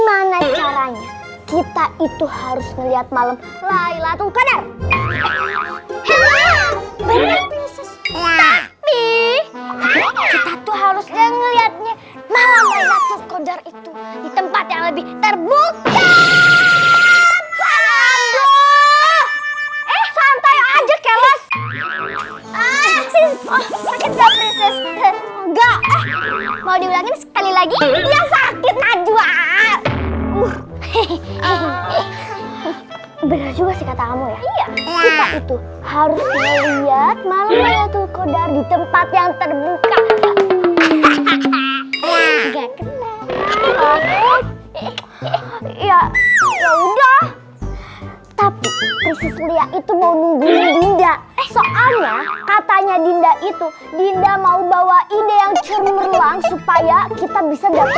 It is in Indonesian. aduh aduh aduh aduh aduh aduh aduh aduh aduh aduh aduh aduh aduh aduh aduh aduh aduh aduh aduh aduh aduh